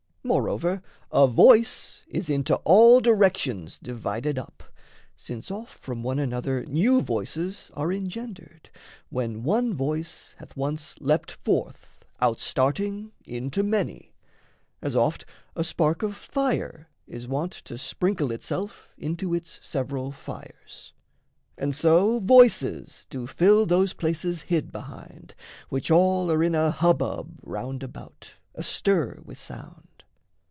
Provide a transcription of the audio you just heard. Moreover, a voice is into all directions Divided up, since off from one another New voices are engendered, when one voice Hath once leapt forth, outstarting into many As oft a spark of fire is wont to sprinkle Itself into its several fires. And so, Voices do fill those places hid behind, Which all are in a hubbub round about, Astir with sound.